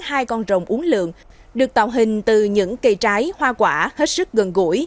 hai con rồng uống lượng được tạo hình từ những cây trái hoa quả hết sức gần gũi